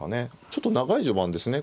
ちょっと長い序盤ですね。